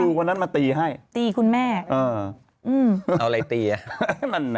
เอาอะไรตีน่ะ